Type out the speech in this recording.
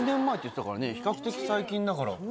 比較的最近だから。